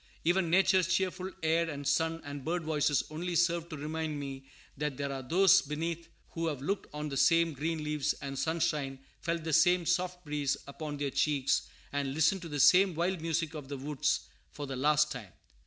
Even Nature's cheerful air, and sun, and birdvoices only serve to remind me that there are those beneath who have looked on the same green leaves and sunshine, felt the same soft breeze upon their cheeks, and listened to the same wild music of the woods for the last time.